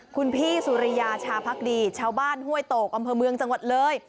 คุณพี่สุริยาชาพักดีชาวบ้านห้วยโตกอำเภอเมืองจังหวัดเลย